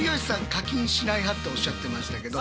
課金しない派っておっしゃってましたけど